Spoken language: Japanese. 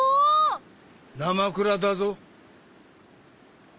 なまくらだぞ